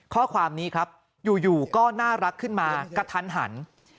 ข้อความนี้ครับอยู่ก็น่ารักขึ้นมากระทันหัน